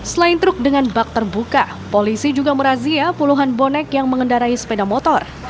selain truk dengan bak terbuka polisi juga merazia puluhan bonek yang mengendarai sepeda motor